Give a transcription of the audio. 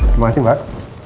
terima kasih mbak